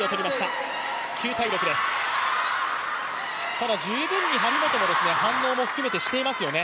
ただ、十分に張本も反応も含めて、していますよね。